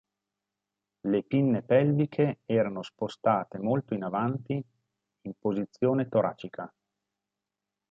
Le pinne pelviche erano spostate molto in avanti, in posizione toracica.